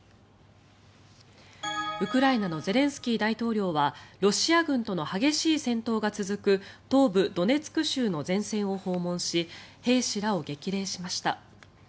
ウクライナのゼレンスキー大統領はロシア軍との激しい戦闘が続く東部ドネツク州の前線を訪問し兵士らを激励しました。